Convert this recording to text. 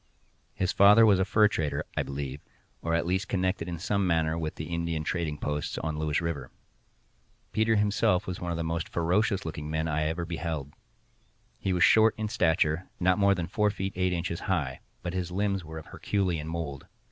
His father was a fur trader, I believe, or at least connected in some manner with the Indian trading posts on Lewis river. Peters himself was one of the most ferocious looking men I ever beheld. He was short in stature, not more than four feet eight inches high, but his limbs were of Herculean mould.